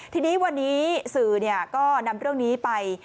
ทีนี้วันนี้สื่อก็นำเรื่องนี้ไป